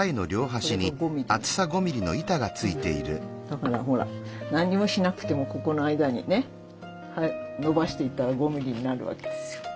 だからほら何にもしなくてもここの間にねのばしていったら５ｍｍになるわけですよ